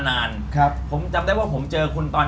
แล้วลูกแบบโอ้โฮโอ้โฮโอ้โฮ